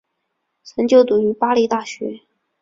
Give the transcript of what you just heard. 曾就读于巴黎大学。